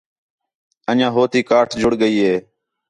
انڄیاں ہو تی کاٹ جڑ ڳئی ہِے